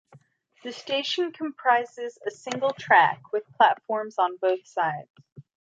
The station comprises a single track, with platforms on both sides.